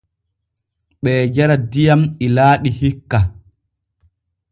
Ɓee jara diyam ilaaɗi hikka.